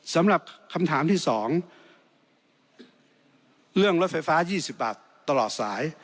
สำหรับคำถามที่๒เรื่องรถไฟฟ้า๒๐บาทตลอดสาย